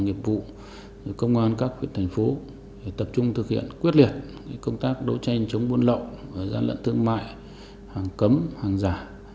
nghiệp vụ công an các huyện thành phố tập trung thực hiện quyết liệt công tác đấu tranh chống buôn lậu gian lận thương mại hàng cấm hàng giả